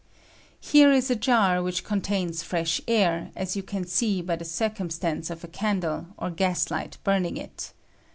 Here is a jar which contains fresh air, as you can see by the circumstance of a candle or gas light burning it.